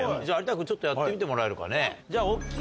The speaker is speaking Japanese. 君ちょっとやってみてもらえるかね。